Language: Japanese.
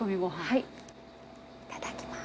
いただきます。